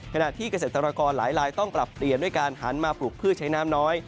ขณะที่เกษตรกรหลายลายต้องปรับเปลี่ยนด้วยการหันมาปลูกพืชใช้น้ำน้อย